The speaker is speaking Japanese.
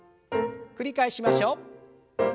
繰り返しましょう。